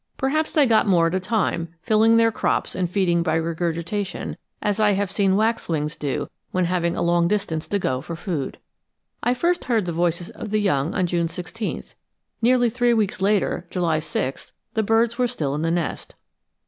Perhaps they got more at a time, filling their crops and feeding by regurgitation, as I have seen waxwings do when having a long distance to go for food. I first heard the voices of the young on June 16; nearly three weeks later, July 6, the birds were still in the nest.